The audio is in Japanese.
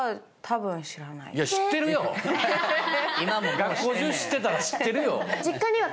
学校中知ってたら知ってるよ。